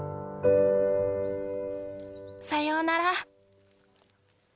さようなら。